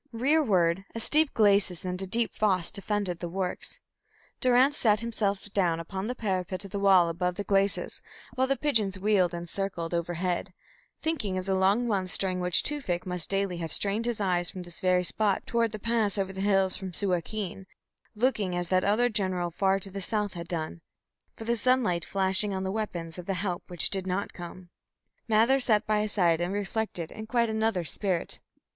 Rearward a steep glacis and a deep fosse defended the works. Durrance sat himself down upon the parapet of the wall above the glacis, while the pigeons wheeled and circled overhead, thinking of the long months during which Tewfik must daily have strained his eyes from this very spot toward the pass over the hills from Suakin, looking as that other general far to the south had done, for the sunlight flashing on the weapons of the help which did not come. Mather sat by his side and reflected in quite another spirit.